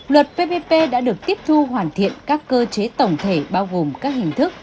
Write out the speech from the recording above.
luật ppp đã được tiếp thu hoàn thiện các cơ chế tổng thể bao gồm các hình thức